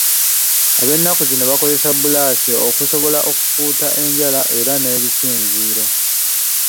Ab'ennaku zino bakozesa bbulaasi okusobola okukuuta enjala era n'ebisinziiro.